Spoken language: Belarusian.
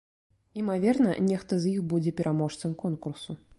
Імаверна, нехта з іх будзе пераможцам конкурсу.